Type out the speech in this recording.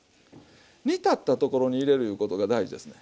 煮立ったところに入れるいうことが大事ですね。